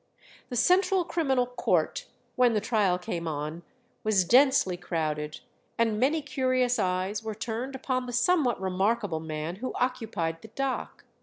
The Central Criminal Court, when the trial came on, was densely crowded, and many curious eyes were turned upon the somewhat remarkable man who occupied the dock.